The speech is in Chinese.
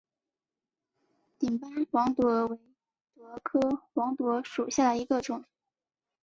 顶斑黄毒蛾为毒蛾科黄毒蛾属下的一个种。